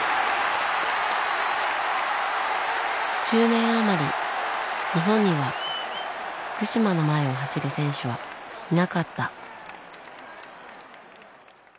１０年余り日本には福島の前を走る選手はいなかった。